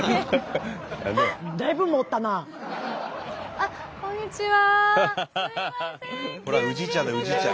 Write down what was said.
あっこんにちは。